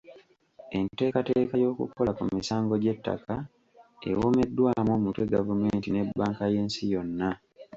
Enteekateeka y'okukola ku misango gy'ettaka ewomeddwamu omutwe gavumenti ne bbanka y’ensi yonna.